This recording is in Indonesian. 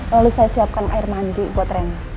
lalu saya siapkan air mandi buat rem